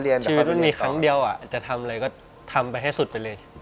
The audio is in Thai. แต่มันไม่มีครั้งเดียวจะทำอะไรก็ทำไปให้สุดไปเลย